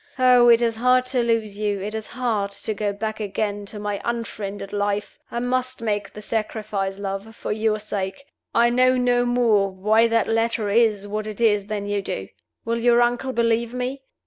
Oh, it is hard to lose you! it is hard to go back again to my unfriended life! I must make the sacrifice, love, for your sake. I know no more why that letter is what it is than you do. Will your uncle believe me?